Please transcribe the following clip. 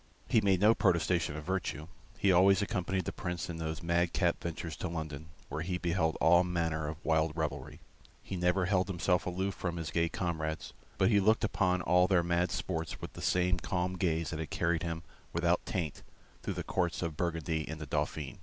He made no protestation of virtue; he always accompanied the Prince in those madcap ventures to London, where he beheld all manner of wild revelry; he never held himself aloof from his gay comrades, but he looked upon all their mad sports with the same calm gaze that had carried him without taint through the courts of Burgundy and the Dauphin.